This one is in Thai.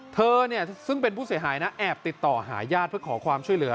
เธอซึ่งเป็นผู้เสียหายนะแอบติดต่อหาญาติเพื่อขอความช่วยเหลือ